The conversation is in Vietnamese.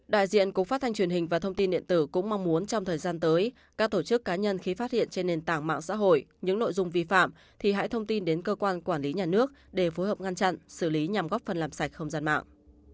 đại diện cục phát thanh truyền hình và thông tin điện tử cũng mong muốn trong thời gian tới các tổ chức cá nhân khi phát hiện trên nền tảng mạng xã hội những nội dung vi phạm thì hãy thông tin đến cơ quan quản lý nhà nước để phối hợp ngăn chặn xử lý nhằm góp phần làm sạch không gian mạng